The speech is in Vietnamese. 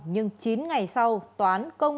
nhưng chín ngày sau toán công